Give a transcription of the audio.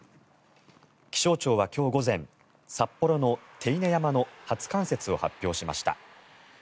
気象庁は今日午前札幌の手稲山の初冠雪を発表しました。